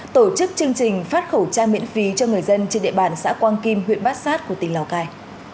tổ chức chương trình phát khẩu trang miễn phí cho người dân trên địa bàn xã quang kim huyện bát sát của tỉnh lào cai